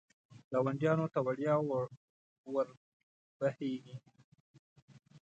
ګاونډیانو ته وړیا ور بهېږي.